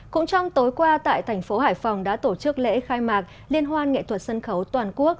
cũng trong tối qua tại thành phố hải phòng đã tổ chức lễ khai mạc liên hoan nghệ thuật sân khấu toàn quốc